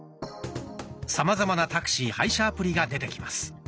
さまざまなタクシー配車アプリが出てきます。